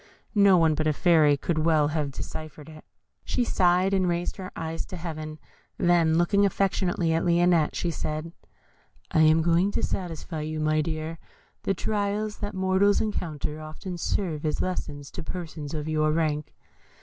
(No one but a Fairy could well have deciphered it.) She sighed, and raised her eyes to Heaven, then looking affectionately at Lionette, she said, "I am going to satisfy you, my dear Lionette. The trials that mortals encounter often serve as lessons to persons of your rank.